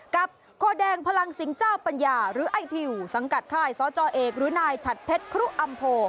โคแดงพลังสิงห์เจ้าปัญญาหรือไอทิวสังกัดค่ายสจเอกหรือนายฉัดเพชรครุอำโพ